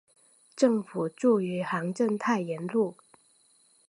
政府驻余杭镇太炎路。